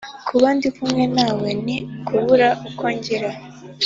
Kuba ndi kumwe namwe ni ukubura uko ngira